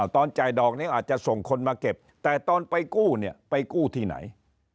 ตอนจ่ายดอกนี้อาจจะส่งคนมาเก็บแต่ตอนไปกู้เนี่ยไปกู้ที่ไหน